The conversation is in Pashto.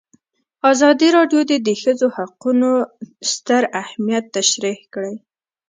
ازادي راډیو د د ښځو حقونه ستر اهميت تشریح کړی.